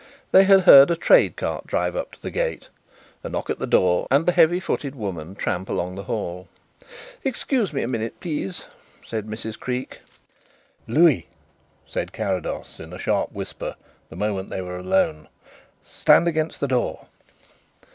They had heard a trade cart drive up to the gate, a knock at the door, and the heavy footed woman tramp along the hall. "Excuse me a minute, please," said Mrs. Creake. "Louis," said Carrados, in a sharp whisper, the moment they were alone, "stand against the door."